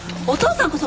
お父さん！